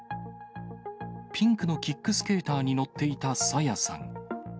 ピンクのキックスケーターに乗っていた朝芽さん。